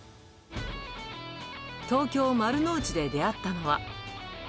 東京・丸の内で出会ったのは。